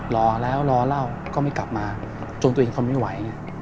รอแล้วรอเล่าก็ไม่กลับมาจนตัวเองทนไม่ไหว